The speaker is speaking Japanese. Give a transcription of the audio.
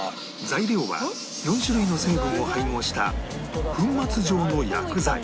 材料は４種類の成分を配合した粉末状の薬剤